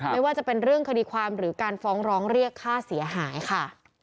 ไม่ว่าจะเป็นเรื่องคดีความหรือการฟ้องร้องเรียกค่าเสียหายค่ะ